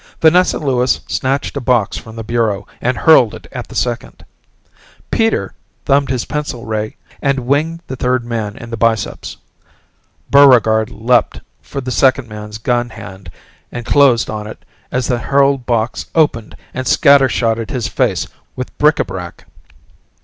Vanessa Lewis snatched a box from the bureau and hurled it at the second. Peter thumbed his pencil ray and winged the third man in the biceps. Buregarde leaped for the second man's gun hand and closed on it as the hurled box opened and scatter shotted his face with bric a brac.